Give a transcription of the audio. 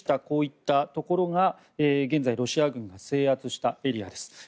こういったところが現在、ロシア軍が制圧したエリアです。